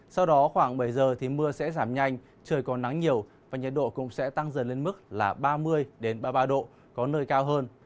sau đó khoảng bảy giờ thì mưa sẽ giảm nhanh trời có nắng nhiều và nhiệt độ cũng sẽ tăng dần lên mức là ba mươi ba mươi ba độ có nơi cao hơn